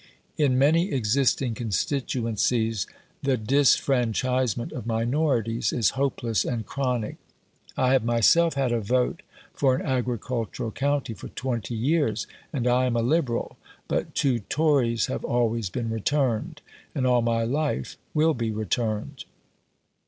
In many existing constituencies the disfranchisement of minorities is hopeless and chronic. I have myself had a vote for an agricultural county for twenty years, and I am a Liberal; but two Tories have always been returned, and all my life will be returned.